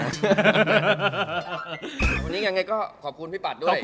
วันนี้ยังไงก็ขอบคุณพี่ปัดด้วย